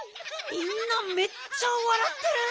みんなめっちゃわらってる。